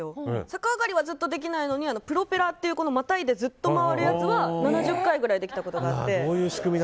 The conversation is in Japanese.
逆上がりはずっとできないのにプロペラっていうまたいで、ずっと回るやつは７０回ぐらいできたことがあって。